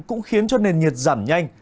cũng khiến cho nền nhiệt giảm nhanh